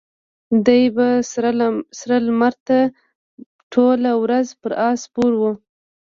دی به سره لمر ته ټوله ورځ پر آس سپور و.